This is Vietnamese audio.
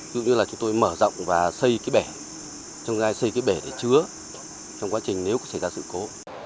ví dụ như là chúng tôi mở rộng và xây cái bẻ trong cái bẻ xây cái bẻ để chứa trong quá trình nếu có xảy ra sự cố